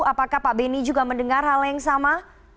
apakah pak benny juga mendengar hal yang sama